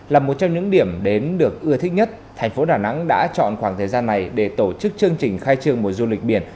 là một trong những điểm đến được ưa thích nhất thành phố đà nẵng đã chọn khoảng thời gian này để tổ chức chương trình khai trương mùa du lịch biển